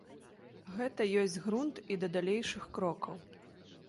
Гэта ёсць грунт і да далейшых крокаў.